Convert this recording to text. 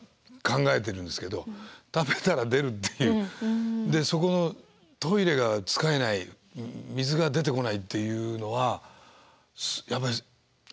食べたら出るっていうそこのトイレが使えない水が出てこないっていうのはやっぱりあっそりゃそうだわっていう。